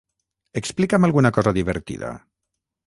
Explica'm alguna cosa divertida